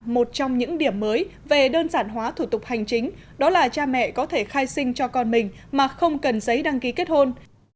một trong những điểm mới về đơn giản hóa thủ tục hành chính đó là cha mẹ có thể khai sinh cho con mình mà không cần giấy đăng ký kết hôn